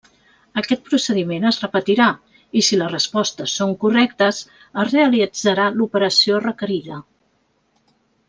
Aquest procediment es repetirà i si les respostes són correctes, es realitzarà l'operació requerida.